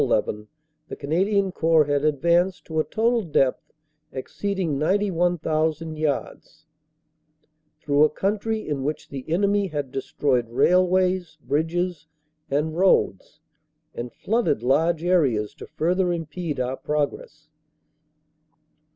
11 the Canadian Corps had advanced to a total depth exceeding ninety one thousand yards (91,000 yards), through a country in which the enemy had destroyed railways, bridges and roads, and flooded large areas to further impede our progress.